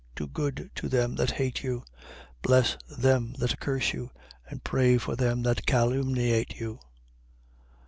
Do good to them that hate you. 6:28. Bless them that curse you and pray for them that calumniate you.